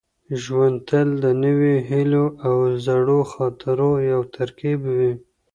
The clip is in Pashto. ژوند تل د نویو هیلو او زړو خاطرو یو ترکیب وي.